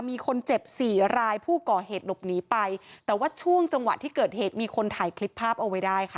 มีคนเจ็บสี่รายผู้ก่อเหตุหลบหนีไปแต่ว่าช่วงจังหวะที่เกิดเหตุมีคนถ่ายคลิปภาพเอาไว้ได้ค่ะ